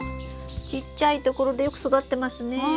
ちっちゃい所でよく育ってますね。